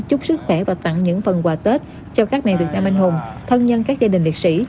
chúc sức khỏe và tặng những phần quà tết cho các mẹ việt nam anh hùng thân nhân các gia đình liệt sĩ